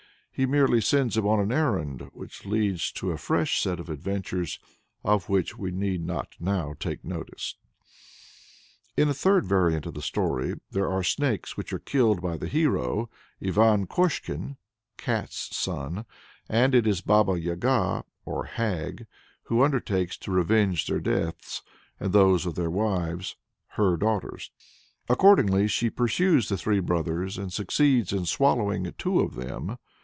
He merely sends him on an errand which leads to a fresh set of adventures, of which we need not now take notice. In a third variant of the story, they are snakes which are killed by the hero, Ivan Koshkin (Cat's son), and it is a Baba Yaga, or Hag, who undertakes to revenge their deaths and those of their wives, her daughters. Accordingly she pursues the three brothers, and succeeds in swallowing two of them.